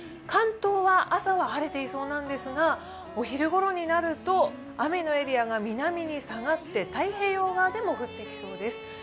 関東は朝は晴れていそうなんですがお昼ごろになると雨のエリアが南に下がって太平洋側でも降ってきそうです。